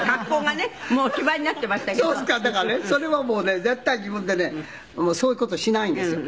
だからねそれはもうね絶対自分でねそういう事をしないんですよ。